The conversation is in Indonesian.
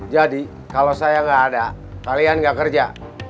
jadi kalau saya gak ada kalian gak kerja